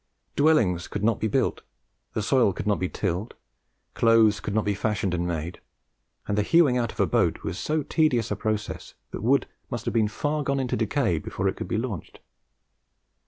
Dwellings could not be built, the soil could not be tilled, clothes could not be fashioned and made, and the hewing out of a boat was so tedious a process that the wood must have been far gone in decay before it could be launched.